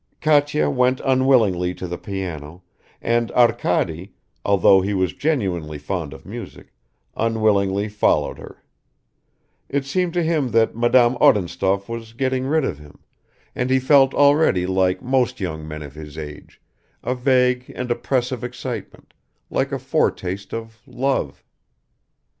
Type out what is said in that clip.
Katya went unwillingly to the piano, and Arkady, although he was genuinely fond of music, unwillingly followed her; it seemed to him that Madame Odintsov was getting rid of him, and he felt already like most young men of his age, a vague and oppressive excitement, like a foretaste of love.